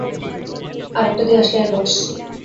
আর একটা দেশলাইয়ের বক্স।